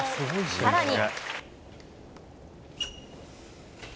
さらに。